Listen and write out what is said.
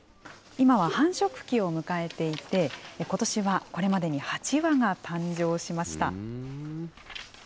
今は繁殖期を迎えていて、ことしはこれまでに８羽が誕生しました。